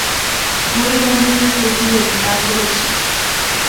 হরিমোহিনী কহিলেন, তা করেছি।